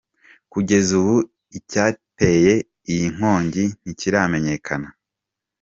Kugeza ubu icyateye iyi nkongi ntikiramenyekana.